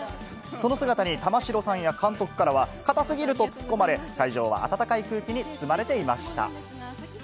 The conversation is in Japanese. その姿に玉城さんや監督からは、固過ぎるとツッコまれ、会場は温かい空気に包まれていました。